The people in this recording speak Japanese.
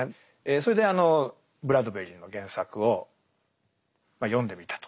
それであのブラッドベリの原作をまあ読んでみたと。